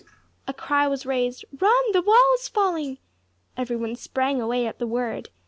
A cry was raised, "Run! the wall is falling!" Every one sprang away at the word.